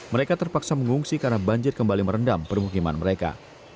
mereka terpaksa mengungsi karena banjir kembali merendam permukiman mereka